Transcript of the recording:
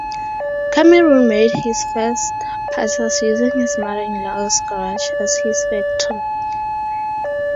Cameron made his first putters using his mother-in-law's garage as his factory.